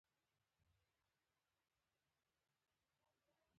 د عوایدو په ګډون له امتیازونو او حقونو تېر شو.